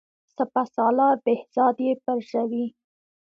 سپه سالار بهزاد یې پرزوي.